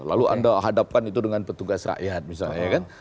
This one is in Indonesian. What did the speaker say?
lalu anda hadapkan itu dengan petugas rakyat misalnya kan